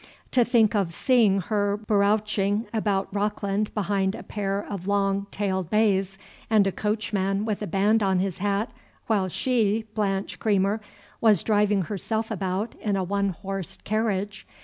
To think of seeing her barouching about Rockland behind a pair of long tailed bays and a coachman with a band on his hat, while she, Blanche Creamer, was driving herself about in a one horse "carriage"!